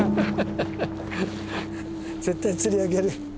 絶対釣り上げる。